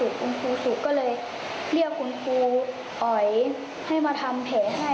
คุณครูสุก็เลยเรียกคุณครูอ๋อยให้มาทำแผลให้